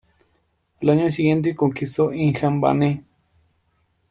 Al año siguiente conquistó Inhambane.